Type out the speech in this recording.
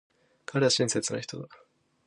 彼は親切な人だ。